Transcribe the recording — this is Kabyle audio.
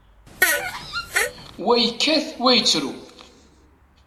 Wa yekkat, wa yettru.